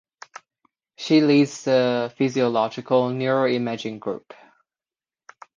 She leads the Physiological Neuroimaging Group.